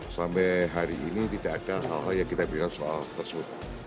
sampai hari ini tidak ada hal hal yang kita bilang soal tersebut